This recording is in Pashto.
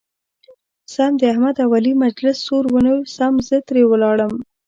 سم د احمد او علي مجلس سور ونیو سم زه ترې ولاړم.